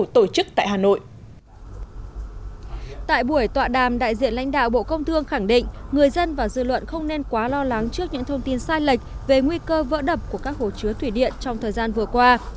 tại buổi tọa đàm đại diện lãnh đạo bộ công thương khẳng định người dân và dư luận không nên quá lo lắng trước những thông tin sai lệch về nguy cơ vỡ đập của các hồ chứa thủy điện trong thời gian vừa qua